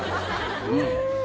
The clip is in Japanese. うん。